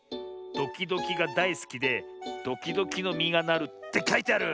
「ドキドキがだいすきでドキドキのみがなる」ってかいてある！